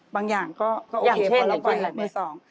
บางอย่างก็โอเคบอกแล้วไว้มีสอง